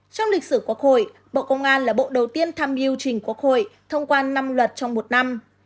trong lịch sử quốc hội bộ công an là bộ đầu tiên tham yêu trình quốc hội thông qua năm luật trong một năm